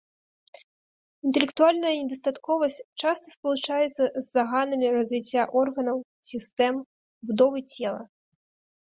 Інтэлектуальная недастатковасць часта спалучаецца з заганамі развіцця органаў, сістэм, будовы цела.